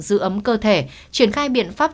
giữ ấm cơ thể triển khai biện pháp